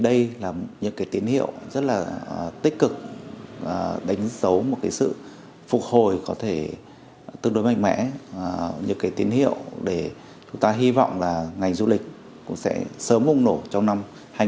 đây là những cái tín hiệu rất là tích cực đánh dấu một cái sự phục hồi có thể tương đối mạnh mẽ những cái tín hiệu để chúng ta hy vọng là ngành du lịch cũng sẽ sớm bùng nổ trong năm hai nghìn hai mươi